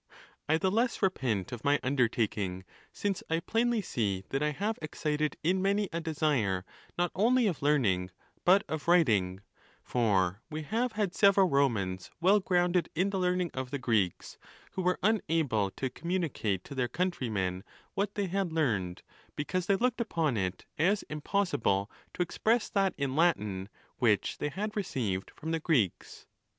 I the less repent of my undertaking, since I plainly see that I have excited in many a desire, not only of learning, but of writ ing; for we have had several Romans well grounded in the learning of the Greeks who were unable to communi cate to their countrymen what they had learned, because they looked upon it as impossible to express that in Latin which they had received from the Greeks.